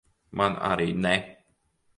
Man arī ne.